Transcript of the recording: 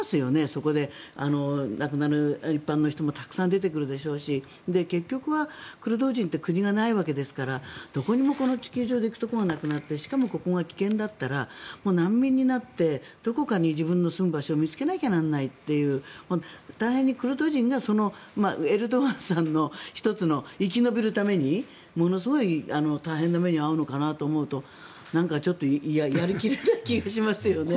そこで亡くなる一般の人もたくさん出てくるでしょうし結局はクルド人って国がないわけですからどこにも地球上で行くところがなくなってしまってしかもここが危険だったら難民になってどこかに自分が住む場所を見つけなきゃいけないという大変にクルド人がエルドアンさんの、１つの生き延びるためにものすごい大変な目に合うのかなと思うとなんかやり切れない気がしますよね。